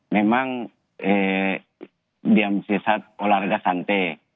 memang dia bisa olahraga santai